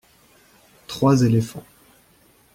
Trois éléphants.